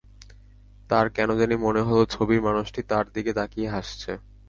তাঁর কেন জানি মনে হলো, ছবির মানুষটি তার দিকে তাকিয়ে হাসছে।